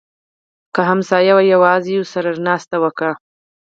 که ګاونډی یواځې وي، ورسره ناسته وکړه